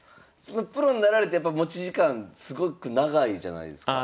プロになられてやっぱ持ち時間すごく長いじゃないですか。